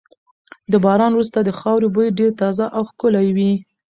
د باران وروسته د خاورې بوی ډېر تازه او ښکلی وي.